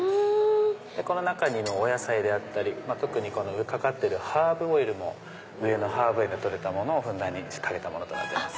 この中にもお野菜であったり特にかかってるハーブオイルも上のハーブ園で採れたものをかけたものとなってます。